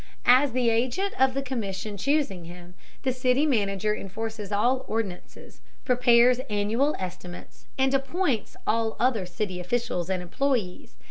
As the agent of the commission choosing him, the city manager enforces all ordinances, prepares annual estimates, and appoints all other city officials and employees.